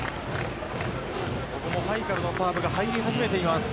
ここもハイカルのサーブが入りはじめています。